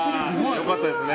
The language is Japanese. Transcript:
良かったですね。